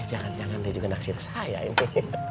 jangan jangan dia juga naksir saya itu